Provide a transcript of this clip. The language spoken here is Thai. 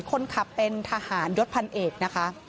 คนขับเป็นทหารยศพันเอกนะคะ